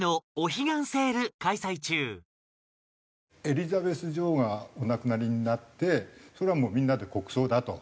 エリザベス女王がお亡くなりになってそれはもうみんなで国葬だと。